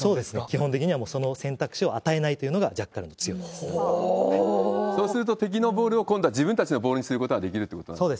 基本的はその選択肢を与えないということで、ジャッカルの強みでそうすると、敵のボールを今度は自分たちのボールにすることができるということですよね。